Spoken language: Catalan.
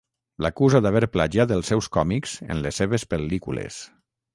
L'acusa d'haver plagiat els seus còmics en les seves pel·lícules.